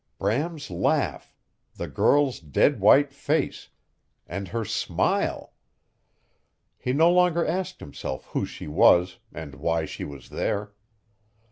Bram's laugh the girl's dead white face, AND HER SMILE! He no longer asked himself who she was, and why she was there.